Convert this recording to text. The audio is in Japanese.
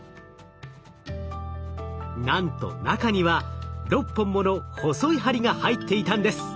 なんと中には６本もの細い針が入っていたんです。